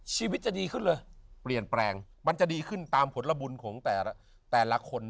ชีวิตจะดีขึ้นเลยเปลี่ยนแปลงมันจะดีขึ้นตามผลบุญของแต่ละคน